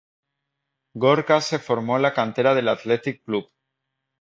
Gorka se formó en la cantera del Athletic Club.